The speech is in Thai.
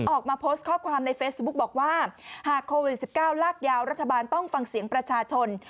ออกมาโพสต์ข้อความในเฟซบุ๊กบอกว่าหากโควิด๑๙ลากยาวรัฐบาลต้องฟังเสียงประชาชน